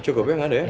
cukup ya nggak ada ya